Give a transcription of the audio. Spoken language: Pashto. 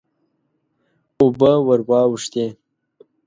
اوبه ور واوښتې.